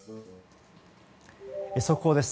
速報です。